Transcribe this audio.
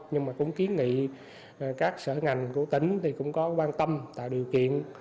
nhưng mà cũng kiến nghị các sở ngành của tỉnh thì cũng có quan tâm tạo điều kiện